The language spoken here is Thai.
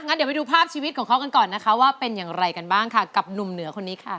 เดี๋ยวไปดูภาพชีวิตของเขากันก่อนนะคะว่าเป็นอย่างไรกันบ้างค่ะกับหนุ่มเหนือคนนี้ค่ะ